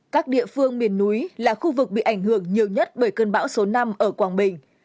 các địa phương miền núi là khu vực bị ảnh hưởng nhiều nhất bởi cơn bão số năm ở quảng bình